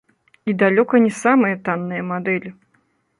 І далёка не самыя танныя мадэлі.